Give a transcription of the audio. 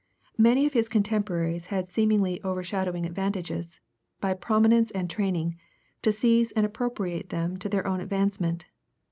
Many of his contemporaries had seemingly overshadowing advantages, by prominence and training, to seize and appropriate them to their own advancement.